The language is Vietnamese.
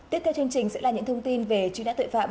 tiếp theo chương trình sẽ là những thông tin về truy nã tội phạm